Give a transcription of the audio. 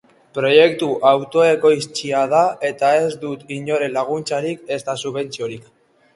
Proiektu autoekoitzia da eta ez dut inoren laguntzarik ezta subentziorik.